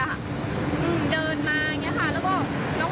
แล้วก็น้องหมา๒ครัว